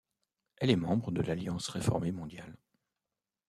Elle est membre de l'Alliance réformée mondiale.